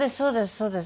そうです